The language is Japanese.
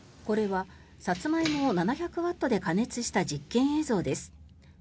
これはサツマイモを７００ワットで加熱した実験映像です。